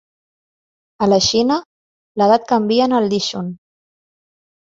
A la Xina, l'edat canvia en el lichun.